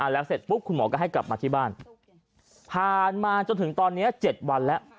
แล้วเสร็จปุ๊บคุณหมอก็ให้กลับมาที่บ้านผ่านมาจนถึงตอนนี้๗วันแล้ว